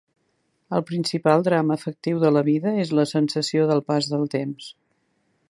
El principal drama afectiu de la vida és la sensació del pas del temps.